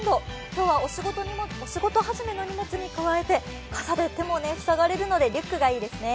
今日はお仕事始めの荷物に加えて傘で手も塞がれるのでリュックがいいですね。